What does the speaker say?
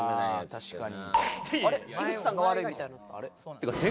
確かに。